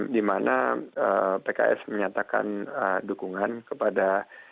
di mana pks menyatakan dukungan kepada